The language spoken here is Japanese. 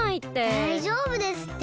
だいじょうぶですって。